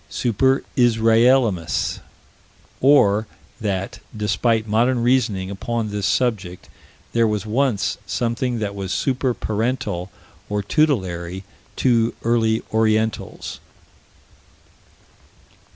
Super Israelimus Or that, despite modern reasoning upon this subject, there was once something that was super parental or tutelary to early orientals.